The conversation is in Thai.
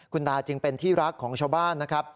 คุณตาจึงเป็นที่รักของชาวบ้านนะครับ